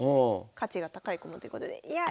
価値が高い駒ということでいや